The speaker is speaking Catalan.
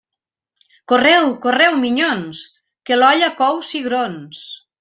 Correu, correu, minyons, que l'olla cou cigrons.